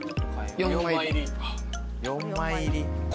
４枚入り。